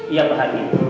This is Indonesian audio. iya pak haji